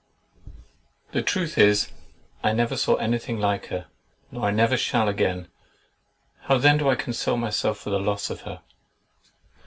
The truth is, I never saw anything like her, nor I never shall again. How then do I console myself for the loss of her?